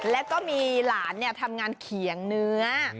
แล้วก็มีหลานทำงานเขียงเนื้อ